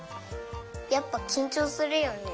やっぱきんちょうするよね。